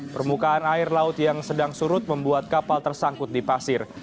permukaan air laut yang sedang surut membuat kapal tersangkut di pasir